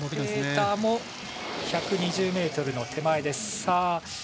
１２０ｍの手前です。